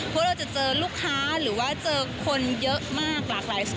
เพราะเราจะเจอลูกค้าหรือว่าเจอคนเยอะมากหลากหลาย